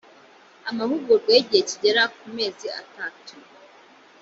amahugurwa y igihe kigera ku mezi atatu